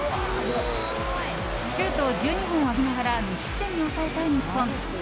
シュート１２本を浴びながら無失点に抑えた日本。